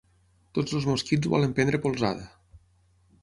Tots els mosquits volen prendre polzada.